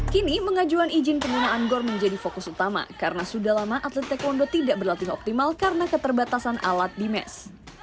kini pengajuan izin penggunaan gor menjadi fokus utama karena sudah lama atlet taekwondo tidak berlatih optimal karena keterbatasan alat di mes